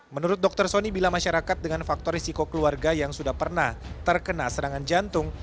menurut dokter sonny bila masyarakat dengan faktor risiko keluarga yang sudah pernah terkena serangan jantung